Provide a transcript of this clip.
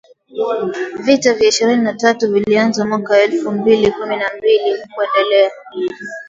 Vita vya ishirini na tatu vilianza mwaka elfu mbili kumi na mbili na kuendelea